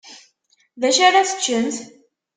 Dacu ara teččemt?